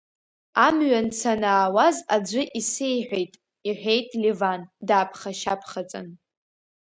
Амҩан санаауаз аӡәы исеиҳәеит, — иҳәеит Леван, дааԥхашьа-ԥхаҵан.